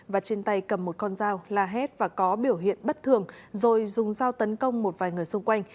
và trên tay cầm một con dao la hét và có biểu hiện bất thường rồi dùng dao tấn công một vài người xung quanh